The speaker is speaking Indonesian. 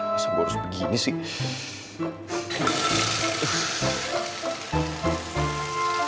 masa harus begini sih